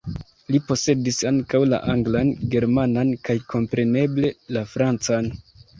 Li posedis ankaŭ la anglan, germanan kaj kompreneble la francan.